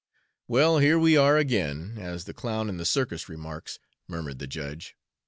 "Well, here we are again, as the clown in the circus remarks," murmured the judge.